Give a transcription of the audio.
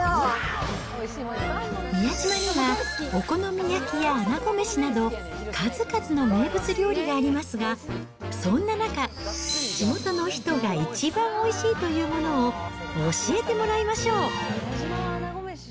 宮島には、お好み焼きやあなごめしなど、数々の名物料理がありますが、そんな中、地元の人が一番おいしいというものを教えてもらいましょう。